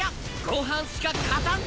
ご飯しか勝たん！